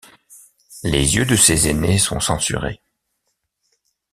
Les yeux de ses aînés sont censurés.